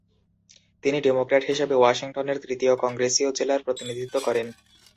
তিনি ডেমোক্র্যাট হিসেবে ওয়াশিংটনের তৃতীয় কংগ্রেসীয় জেলার প্রতিনিধিত্ব করেন।